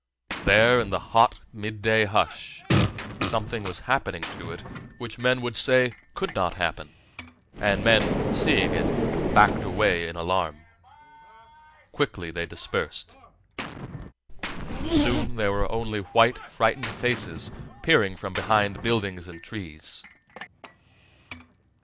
There, in the hot midday hush, something was happening to it which men would say could not happen; and men, seeing it, backed away in alarm. Quickly they dispersed. Soon there were only white, frightened faces peering from behind buildings and trees.